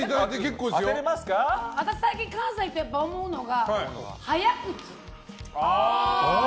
私、最近、関西行って思うのが早口。